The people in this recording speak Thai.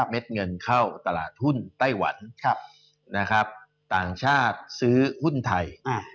เม็ดเงินเข้าตลาดหุ้นไต้หวันต่างชาติซื้อหุ้นไทย